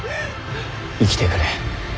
生きてくれ。